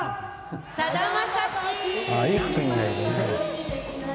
「さだまさし」！